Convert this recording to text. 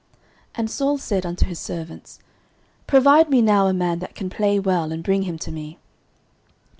09:016:017 And Saul said unto his servants, Provide me now a man that can play well, and bring him to me.